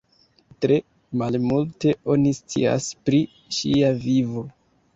Tre malmulte oni scias pri ŝia vivo.